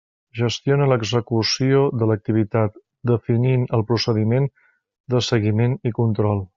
Gestiona l'execució de l'activitat, definint el procediment de seguiment i control.